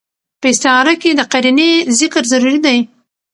په استعاره کښي د قرينې ذکر ضروري دئ.